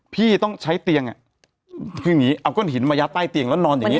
พี่ต้องใช้เตียงคือหนีเอาก้อนหินมายัดใต้เตียงแล้วนอนอย่างนี้